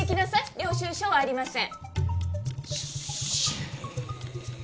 領収証はありません